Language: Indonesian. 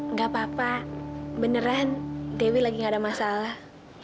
nggak apa apa beneran dewi lagi gak ada masalah